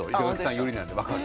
寄りなんで分かる。